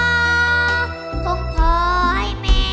ผ้าสิ้นพืชใหม่ทุกข์แม่หลังเช่น